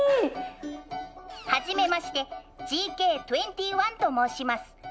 はじめましてＧＫ２１と申します。